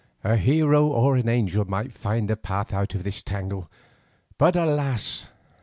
A hero or an angel might find a path out of this tangle, but alas!